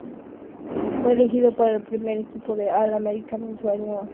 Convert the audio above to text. Fue elegido para en el primer equipo All-American en su año senior.